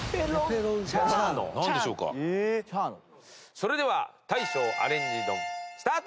それでは大昇アレンジ丼スタート！